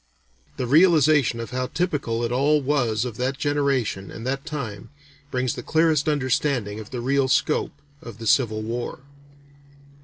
The realization of how typical it all was of that generation and that time, brings the clearest understanding of the real scope of the Civil War.